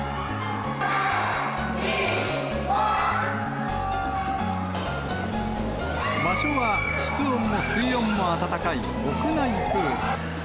３、場所は室温も水温も温かい屋内プール。